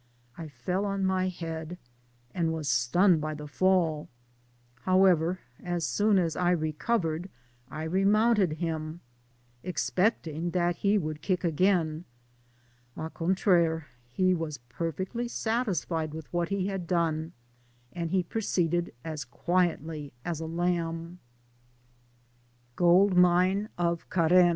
I fell on my head, and was stunned by the fall: however, as soon as I recovered I remounted him, expecting that he would kick again — au contraire, he was perfectly satisfied with what he had done, and he proceeded as quietly as a lamb* Digitized byGoogk SIO GOLD MINE OF CAREN.